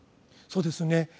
そうですね。